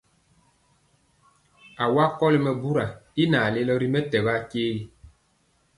Awa kɔli mɛbura i lelaa ri mɛtɛgɔ akyegi.